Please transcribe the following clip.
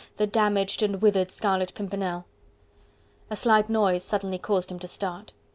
the damaged and withered Scarlet Pimpernel?... A slight noise suddenly caused him to start.